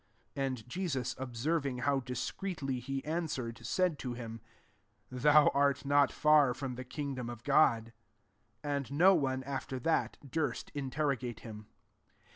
34 And Jesus observing how dis creetly he answered, said to him, Thou art not fisir from the kingdom of God.'* And no one, after that, durst interro gate him.